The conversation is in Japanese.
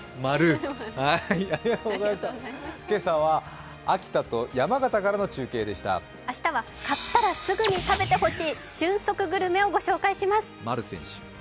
今朝は秋田と山形からの中継でしたぁ明日は買ったらすぐに食べてほしい、瞬速グルメです。